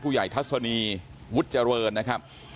ผู้ใหญ่ทัศนีวุฒิเจริญนะครับ